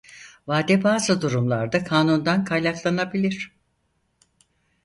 Vade bazı durumlarda kanundan kaynaklanabilir.